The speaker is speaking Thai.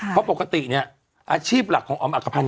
เพราะปกติเนี่ยอาชีพหลักของออมอักภัณฑ